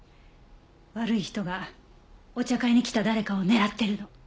悪い人がお茶会に来た誰かを狙ってるの。